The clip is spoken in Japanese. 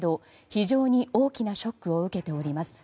非常に大きなショックを受けております。